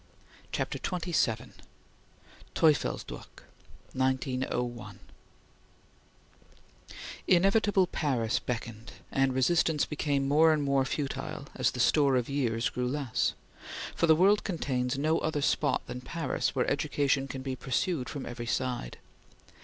CHAPTER XXVII TEUFELSDROCKH (1901) INEVITABLE Paris beckoned, and resistance became more and more futile as the store of years grew less; for the world contains no other spot than Paris where education can be pursued from every side.